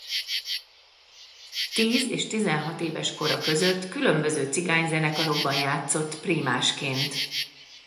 Tíz és tizenhat éves kora között különböző cigányzenekarokban játszott prímásként.